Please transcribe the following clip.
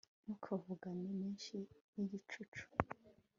ntukavugane menshi n'igicucu